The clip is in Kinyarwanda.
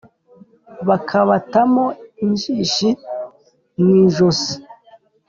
bakabatamo injishi mw'ijosi.